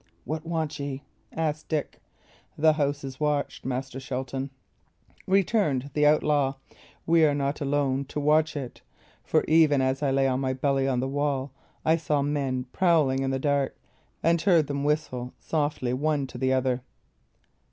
"What want ye?" asked Dick. "The house is watched, Master Shelton," returned the outlaw. "We are not alone to watch it; for even as I lay on my belly on the wall I saw men prowling in the dark, and heard them whistle softly one to the other."